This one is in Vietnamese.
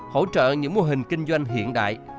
hỗ trợ những mô hình kinh doanh hiện đại